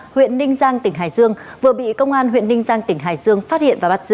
huyện ninh giang tỉnh hải dương vừa bị công an huyện ninh giang tỉnh hải dương phát hiện và bắt giữ